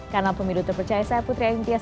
kanal pemilu terpercaya saya putri ayin tyas